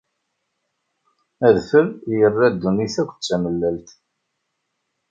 Adfel yerra ddunit akk d tamellalt.